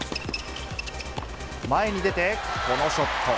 前に出て、このショット。